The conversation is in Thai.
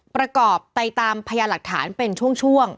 ประกอบใต้ตามพยายามหลักฐานเป็นช่วงช่วง